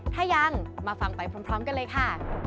ถ้ายังมาฟังไปพร้อมกันเลยค่ะ